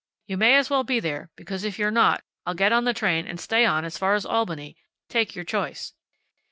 You may as well be there, because if you're not I'll get on the train and stay on as far as Albany. Take your choice."